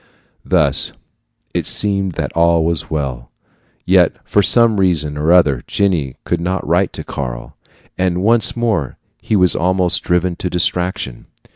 Thus it seemed that all was well, yet for some reason or other Jenny would not write to Karl, and once more he was almost driven to distraction.